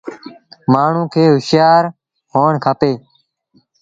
مآڻهوٚݩ کي هوشآر هوڻ کپي۔